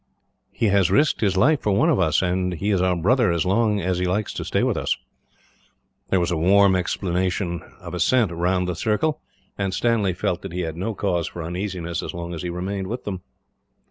He has risked his life for one of us; and he is our brother as long as he likes to stay with us." There was a warm exclamation of assent, round the circle; and Stanley felt that he had no cause for uneasiness, as long as he remained with them.